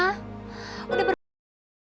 wah ini apa tuh